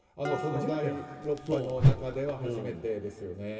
第６波の中では初めてですよね。